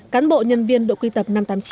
cán bộ nhân viên đội quy tập năm trăm tám mươi chín